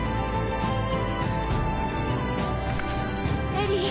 エリー。